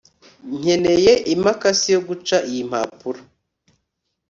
nkeneye imikasi yo guca iyi mpapuro